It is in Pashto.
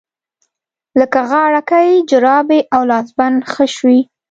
لکه غاړکۍ، جرابې او لاسبند ښخ شوي